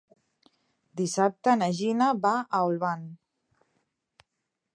Dissabte na Gina va a Olvan.